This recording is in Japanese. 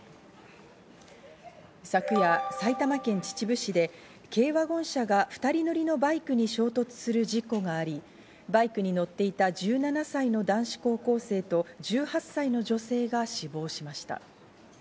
昨夜、埼玉県秩父市で軽ワゴン車が２人乗りのバイクに衝突する事故があり、バイクに乗っていた１７歳の男子高校生と１８歳の女性が死亡しました。